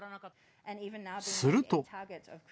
すると。